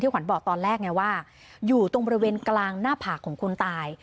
ขวัญบอกตอนแรกไงว่าอยู่ตรงบริเวณกลางหน้าผากของคนตาย